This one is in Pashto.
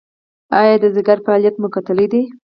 ایا د ځیګر فعالیت مو کتلی دی؟